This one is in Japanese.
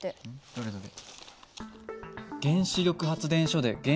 どれどれ。